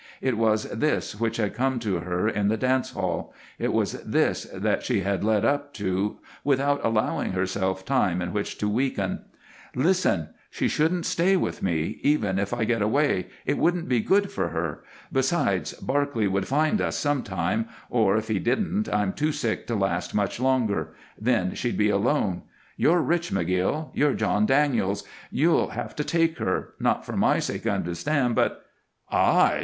It was this which had come to her in the dance hall; it was this that she had led up to without allowing herself time in which to weaken. "Listen! She shouldn't stay with me, even if I get away; it wouldn't be good for her; besides, Barclay would find us some time; or, if he didn't, I'm too sick to last much longer. Then she'd be alone. You're rich, McGill. You're John Daniels. You'll have to take her not for my sake, understand, but " "_I?